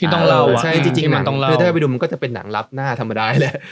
ถ้ายังได้ไปดูก็จะเป็นหนังรับหน้าธรรมดาแล้ว